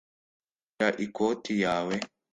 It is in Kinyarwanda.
shira ikoti yawe.